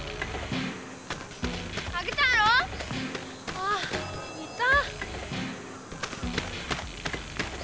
ああいた。